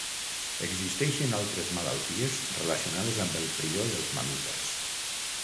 Existeixen altres malalties relacionades amb el prió dels mamífers.